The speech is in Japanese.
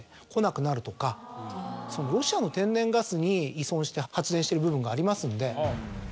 ロシアの天然ガスに依存して発電してる部分がありますんで。